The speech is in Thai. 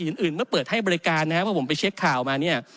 อื่นเมื่อเปิดให้บริการนะครับเพราะผมไปเช็คข่าวมาเนี่ย